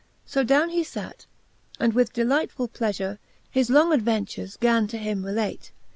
So downe he fate, and with delightfull pleafure His long adventures gan to him relate.